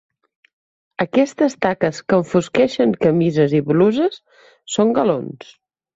Aquestes taques que enfosqueixen camises i bruses són galons.